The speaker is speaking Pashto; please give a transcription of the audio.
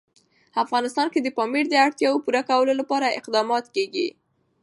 افغانستان کې د پامیر د اړتیاوو پوره کولو لپاره اقدامات کېږي.